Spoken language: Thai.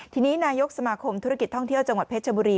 ทีนี้นายกสมาคมธุรกิจท่องเที่ยวจังหวัดเพชรบุรี